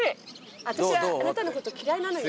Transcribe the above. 「私はあなたのこと嫌いなのよ」